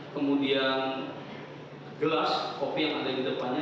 kemudian gelas kopi yang ada di depannya